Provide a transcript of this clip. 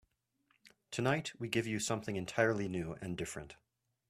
Tonight we give you something entirely new and different.